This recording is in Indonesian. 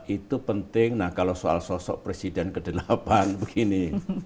itu penting nah kalau soal sosok presiden ke delapan begini